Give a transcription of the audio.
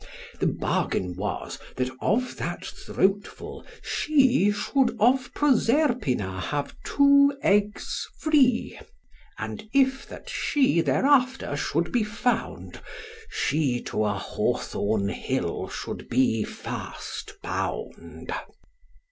The bargain was, that, of that throatful, she Should of Proserpina have two eggs free; And if that she thereafter should be found, She to a hawthorn hill should be fast bound.